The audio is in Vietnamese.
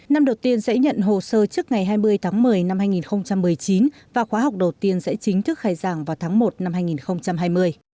năm đầu tiên sẽ nhận hồ sơ trước ngày hai mươi tháng một mươi năm hai nghìn một mươi chín và khóa học đầu tiên sẽ chính thức khai giảng vào tháng một năm hai nghìn hai mươi